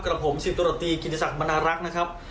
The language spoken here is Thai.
กระหลังผมสิบตัวตำตีกิจกิจศักดิ์บรรณารักษ์นะครับ